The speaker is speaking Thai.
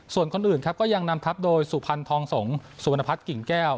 ส่วนคนอื่นครับก็ยังนำทับโดยสุพันธ์ทองสงศ์สุพนภัทรกิ่งแก้ว